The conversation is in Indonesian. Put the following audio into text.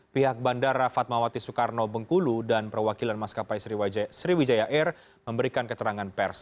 pihak bandara fatmawati soekarno bengkulu dan perwakilan maskapai sriwijaya air memberikan keterangan pers